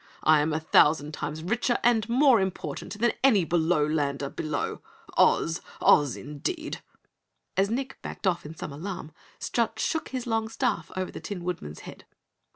I am a thousand times richer and more important than any Belowlander below. Oz! OZ! Indeed!" As Nick backed off in some alarm, Strut shook his long staff over the Tin Woodman's head.